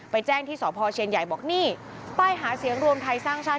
แจ้งที่สพเชียนใหญ่บอกนี่ป้ายหาเสียงรวมไทยสร้างชาติ